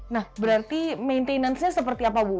nah berarti maintenance nya seperti apa bu